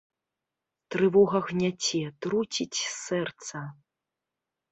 Трывога гняце, труціць сэрца.